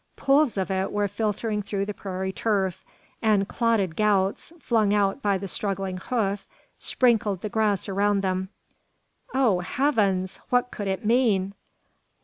Pools of it were filtering through the prairie turf; and clotted gouts, flung out by the struggling hoof, sprinkled the grass around them! "Oh, heavens! what could it mean?"